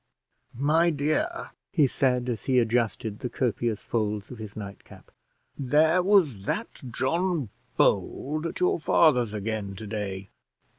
"My dear," he said, as he adjusted the copious folds of his nightcap, "there was that John Bold at your father's again to day.